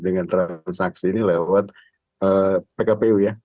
masalah masalah terkait dengan transaksi ini lewat pkpu ya